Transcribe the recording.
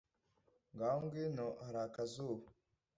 ngaho ngwino hari akazuba